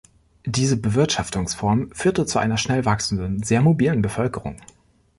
Diese Bewirtschaftungsform führte zu einer schnell wachsenden, sehr mobilen Bevölkerung.